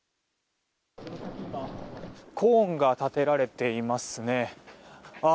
コーンが立てられていますね。